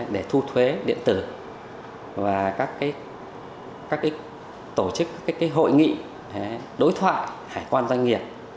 để thu thuế điện tử và các tổ chức các hội nghị đối thoại hải quan doanh nghiệp